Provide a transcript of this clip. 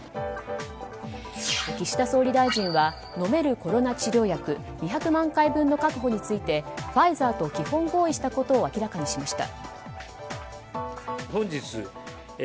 岸田総理大臣は飲めるコロナ治療薬２００万回分の確保についてファイザーと基本合意したことを明らかにしました。